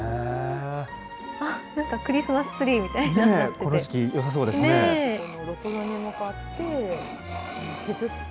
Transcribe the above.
あっ、なんかクリスマスツリーみたいになってて。